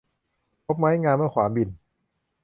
พบไม้งามเมื่อขวานบิ่น